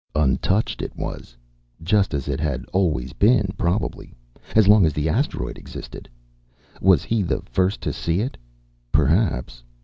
Untouched, it was. Just as it had always been, probably. As long as the asteroid existed. Was he the first to see it? Perhaps.